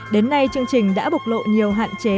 đến nay chương trình đã bộc lộ nhiều hạn chế